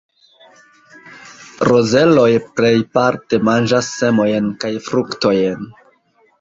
Rozeloj plejparte manĝas semojn kaj fruktojn.